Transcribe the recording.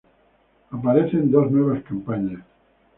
Aparecen dos nuevas campañas.